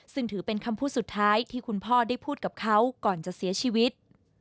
ซึ่งถือเป็นคำพูดสุดท้ายที่คุณพ่อได้พูดกับเขาก่อนจะเสียชีวิต